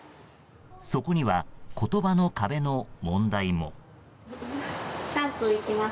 そこには言葉の壁の問題も。